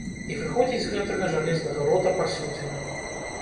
І выходзіць з гэтага жалезнага рота пасудзіна.